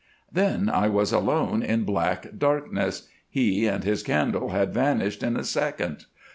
"Then I was alone in black darkness. He and his candle had vanished in a second.